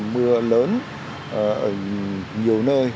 mưa lớn ở nhiều nơi